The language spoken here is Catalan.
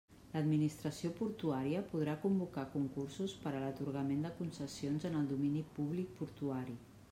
L'Administració Portuària podrà convocar concursos per a l'atorgament de concessions en el domini públic portuari.